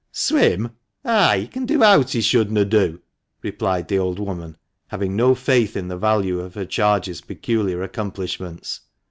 " Swim ? ay, he can do owt he shouldna do," replied the old woman, having no faith in the value of her charge's peculiar accomplishments.